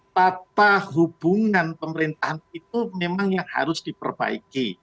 tata hubungan pemerintahan itu memang yang harus diperbaiki